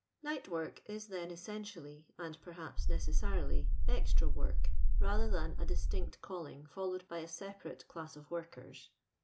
Night work is, then, essentially, and perhaps ■ necessarily, extra work, rather than a di^tiod calling followed by a separate class of workers.